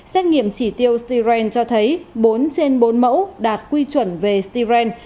xét nghiệm chỉ tiêu siren cho thấy bốn trên bốn mẫu đạt quy chuẩn về styren